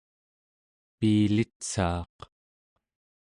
piilitsaaq